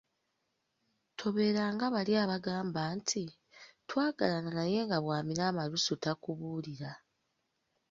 Tobeera nga bali be bagamba nti, “Twagalana naye nga bw'amira amalusu takubuulira”